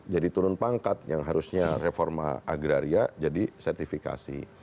jadi turun pangkat yang harusnya reforma agraria jadi sertifikasi